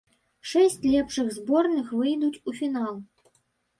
Шэсць лепшых зборных выйдуць у фінал.